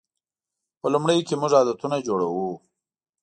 په لومړیو کې موږ عادتونه جوړوو.